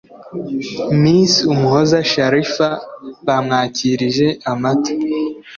Miss Umuhoza Sharifa bamwakirije amata